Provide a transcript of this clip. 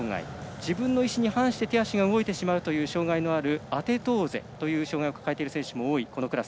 自分の意思に反して手足が動いてしまうという障がいのあるアテトーゼという障がいを抱えている選手も多いこのクラス。